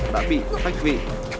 đã bị tách vị